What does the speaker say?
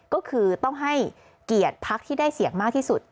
ก็คือต้องให้เกียรติพักที่ได้เสียงมากที่สุด